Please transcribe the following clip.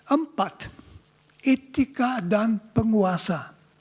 empat etika dan penguasa